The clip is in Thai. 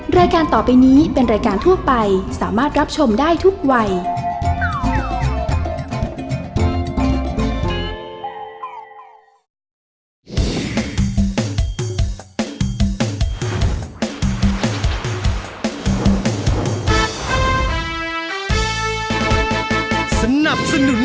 รายการต่อไปนี้เป็นรายการทั่วไปสามารถรับชมได้ทุกวัย